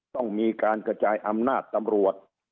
ต้องมีการกระจายอำนาจตำรวจ